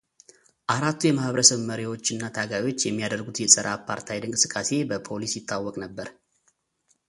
አራቱ የማኅበረሰብ መሪዎች እና ታጋዮች የሚያደርጉት የፀረ አፓርታይድ እንቅስቃሴ በፖሊስ ይታወቅ ነበር።